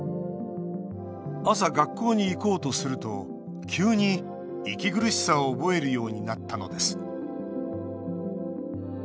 朝、学校に行こうとすると急に息苦しさを覚えるようになったのです。